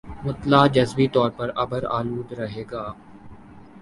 مطلع جزوی طور پر ابر آلود رہے گا